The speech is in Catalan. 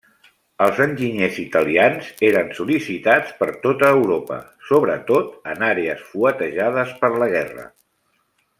Els enginyers italians eren sol·licitats per tota Europa, sobretot en àrees fuetejades per la guerra.